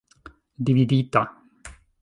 dividita